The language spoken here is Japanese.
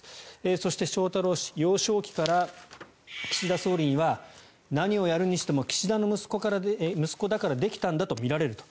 そして翔太郎氏幼少期から、岸田総理には何をやるにしても岸田の息子だからできたんだと見られると。